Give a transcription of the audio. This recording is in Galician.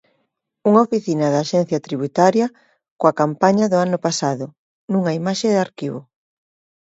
Unha oficina da Axencia Tributaria coa campaña do ano pasado, nunha imaxe de arquivo.